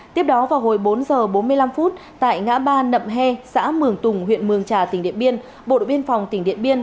tiếp đó vào hồi bốn h bốn mươi năm phút tại ngã ba nậm he xã mường tùng huyện mường trà tỉnh điện biên bộ đội biên phòng tỉnh điện biên